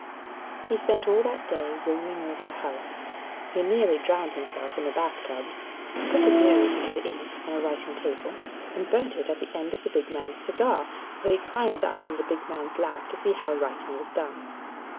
He spent all that day roaming over the house. He nearly drowned himself in the bath tubs, put his nose into the ink on a writing table, and burnt it on the end of the big man's cigar, for he climbed up in the big man's lap to see how writing was done.